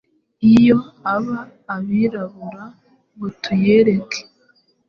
iyo aba abirabura ngo tuyereke,